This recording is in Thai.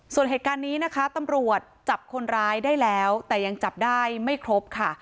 ส่วนเหตุการณ์นี้นะคะตำรวจจับคนร้ายได้แล้วแต่ยังจับได้ไม่ครบค่ะ